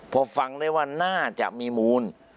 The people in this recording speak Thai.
พอฟังได้ว่าน่าจะมีมูล